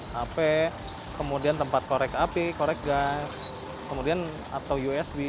hp kemudian tempat korek api korek gas kemudian atau usb